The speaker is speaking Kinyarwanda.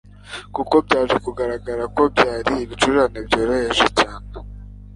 kuko byaje kugaragara ko byari ibicurane byoroheje cyane.